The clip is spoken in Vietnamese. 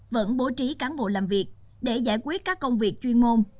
vẫn bố trí cán bộ làm việc để giải quyết các công việc chuyên môn